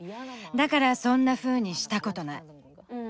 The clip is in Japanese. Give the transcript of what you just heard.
だからそんなふうにしたことない。